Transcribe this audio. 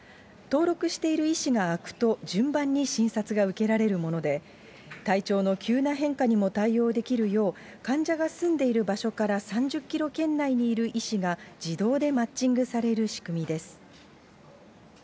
登録している医師が空くと、順番に診察が受けられるもので、体調の急な変化にも対応できるよう、患者が住んでいる場所から３０キロ圏内にいる医師が、自動でマッチングされる仕組みです。